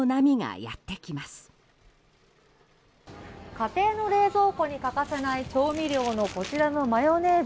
家庭の冷蔵庫に欠かせない調味料のこちらのマヨネーズ。